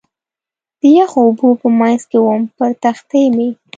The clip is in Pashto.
د یخو اوبو په منځ کې ووم، پر تختې مې.